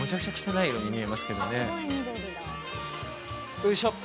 よいしょ